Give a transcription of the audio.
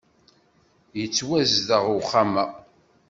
Yettwazdeɣ uxxxam-a.